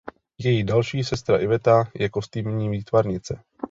Její další sestra Iveta je kostýmní výtvarnice.